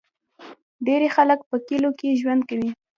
ډیری خلک په کلیو کې ژوند کوي.